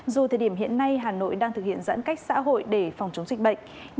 dù thời điểm hiện nay hà nội đang thực hiện giãn cách xã hội để phòng chống dịch bệnh